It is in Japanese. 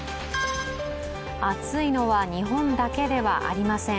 暑いのは日本だけではありません。